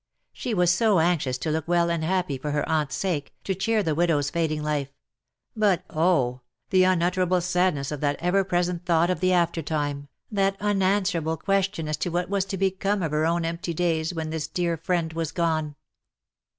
She was so anxious to look well and happy for her aunt^s sake, to cheer the widow^s fading life; but, oh ! the unutterable sadness of that ever present thought of the aftertime, that unanswerable question v2 bo " LOVE WILL HAVE HIS DAY. as to what was to become of her own empty days when this dear friend was gone.